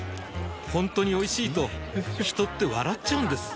ほんとにおいしいと人って笑っちゃうんです